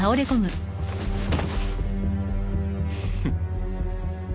フッ。